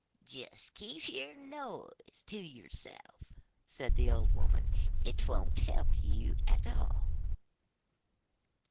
'Just keep your noise to yourself,' said the old woman, 'it won't help you at all.